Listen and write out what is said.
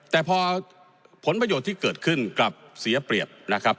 แต่พอผลประโยชน์ที่เกิดขึ้นกลับเสียเปรียบนะครับ